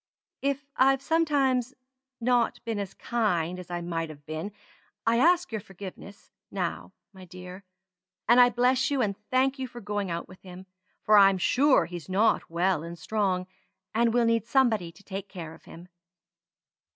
If I've sometimes not been as kind as I might have been, I ask your forgiveness, now, my dear; and I bless you and thank you for going out with him; for I'm sure he's not well and strong, and will need somebody to take care of him.